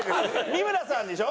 三村さんでしょ？